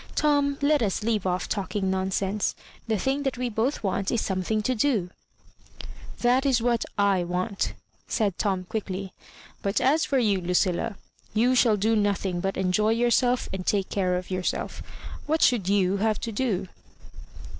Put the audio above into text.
Tom, let ua leave off talking nonsense— the thing that ^we both want is something to da" "That is what I want^" said Tom quickly Digitized by VjOOQIC MISS MARJORIBANKa 171 "but as for you, Lucilla^ you shall do nothing but enjoy yourself and take care of yourself. What should you have to do?